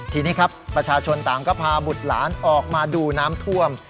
ทีนี้ครับประชาชนต่างก็พาบุตรหลานออกมาดูน้ำท่วม